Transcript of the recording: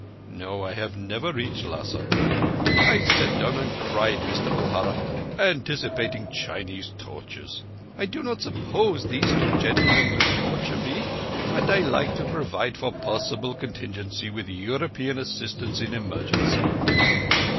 (No, I have never reached to Lhassa.) I sat down and cried, Mister O'Hara, anticipating Chinese tortures. I do not suppose these two gentlemen will torture me, but I like to provide for possible contingency with European assistance in emergency."